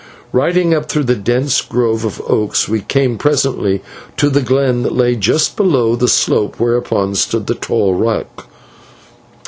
Riding uphill through a dense grove of oaks, we came presently to the glen that lay just below the slope whereon stood the tall rock.